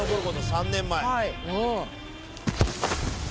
３年前。